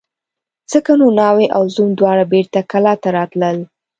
ځکه نو ناوې او زوم دواړه بېرته کلاه ته راغلل.